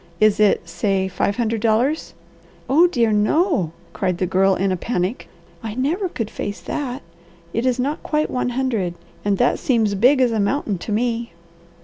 Is it say five hundred dollars?" "Oh dear no!" cried the Girl in a panic. "I never could face that! It is not quite one hundred, and that seems big as a mountain to me."